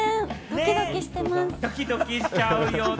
ドキドキしちゃうよね。